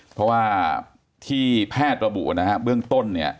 เพราะว่าที่แพทย์ระบุเบื้องต้น